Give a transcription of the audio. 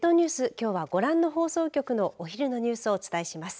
きょうはご覧の放送局のお昼のニュースをお伝えします。